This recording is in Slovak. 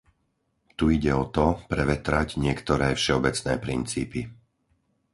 Tu ide o to, prevetrať niektoré všeobecné princípy.